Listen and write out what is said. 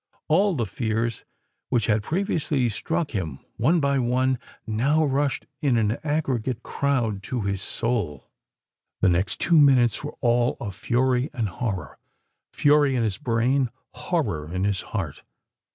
All the fears which had previously struck him one by one, now rushed in an aggregate crowd to his soul. The next two minutes were all of fury and horror—fury in his brain, horror in his heart!